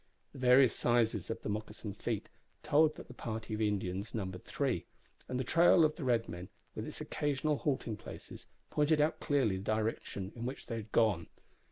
The various sizes of the moccasined feet told that the party of Indians numbered three; and the trail of the red men, with its occasional halting places, pointed out clearly the direction in which they had gone.